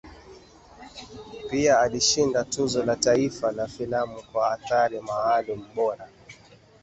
Pia alishinda Tuzo la Taifa la Filamu kwa Athari Maalum Bora.